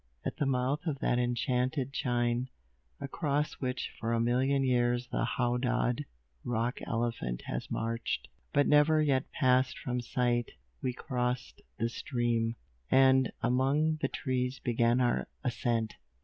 At the mouth of that enchanted chine, across which for a million years the howdahed rock elephant has marched, but never yet passed from sight, we crossed the stream, and among the trees began our ascent.